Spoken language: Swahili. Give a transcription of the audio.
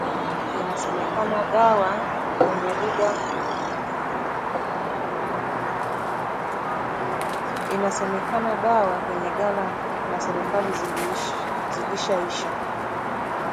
Inasemekana dawa kwenye ghala la serikali zilishaisha